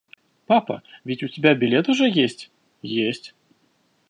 Папа, ведь у тебя билет уже есть? – Есть.